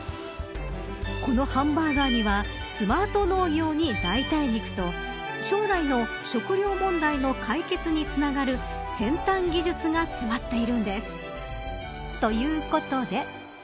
このハンバーガーにはスマート農業に代替肉と、将来の食料問題の解決につながる先端技術が詰まっているんです。ということで。